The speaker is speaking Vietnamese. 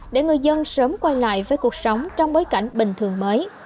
để người dân sớm quay lại với cuộc sống trong bối cảnh bình thường mới